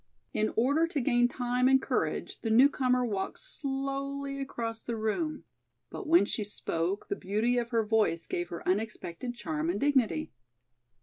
In order to gain time and courage the newcomer walked slowly across the room, but when she spoke the beauty of her voice gave her unexpected charm and dignity.